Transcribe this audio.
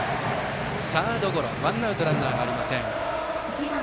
サードゴロ、ワンアウトランナーありません。